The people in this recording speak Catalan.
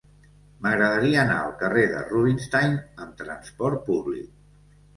M'agradaria anar al carrer de Rubinstein amb trasport públic.